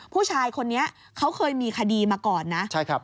ผู้ชายคนนี้เขาเคยมีคดีมาก่อนนะ